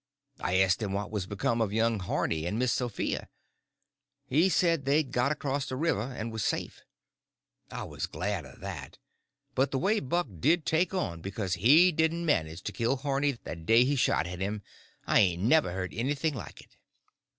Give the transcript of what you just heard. I asked him what was become of young Harney and Miss Sophia. He said they'd got across the river and was safe. I was glad of that; but the way Buck did take on because he didn't manage to kill Harney that day he shot at him—I hain't ever heard anything like it.